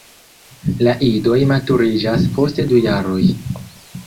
La idoj maturiĝas post du jaroj.